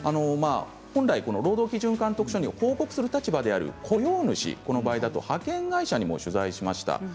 本来、労働基準監督署に報告する立場である雇用主、この場合だと派遣会社にも取材しました。